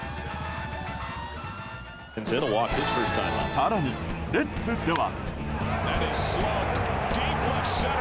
更に、レッズでは。